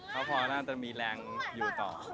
เขาพอน่าจะมีแรงอยู่ต่อ